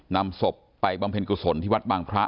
นำศพไปบำเพ็ญกุศลที่วัดบางพระ